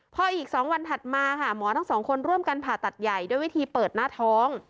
พออีก๒วันถัดมาค่ะหมอทั้งสองคนร่วมกันผ่าตัดใหญ่ด้วยวิธีเปิดหน้าท้อง